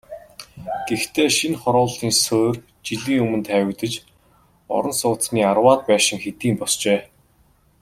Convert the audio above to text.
Гэхдээ шинэ хорооллын суурь жилийн өмнө тавигдаж, орон сууцны арваад байшин хэдийн босжээ.